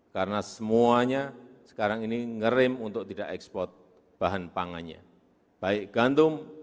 karena semuanya sekarang ini ngerim untuk tidak ekspor bahan pangannya baik gantung